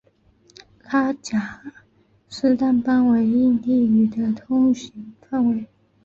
拉贾斯坦邦为印地语的通行范围。